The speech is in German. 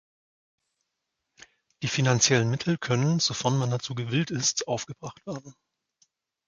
Die finanziellen Mittel können, sofern man dazu gewillt ist, aufgebracht werden.